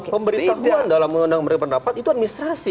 pemberitahuan dalam undang undang berpendapat itu administrasi